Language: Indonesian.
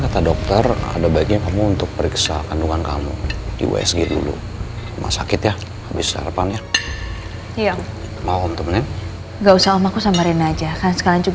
tapi med inventing ini necesita masalah